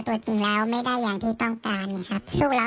ถ้าเกิดว่ามาเห็นมันก็จะดูไม่ดีครับ